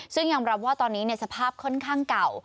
ซึ่งยอมรับว่าตอนนี้สภาพค่อนข้างเก่า